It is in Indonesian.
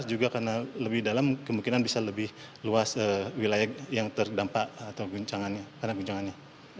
juga karena lebih dalam kemungkinan bisa lebih luas wilayah yang terdampak atau guncangannya